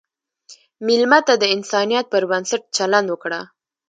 مېلمه ته د انسانیت پر بنسټ چلند وکړه.